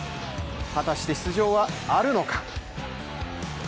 果たして出場はあるのか。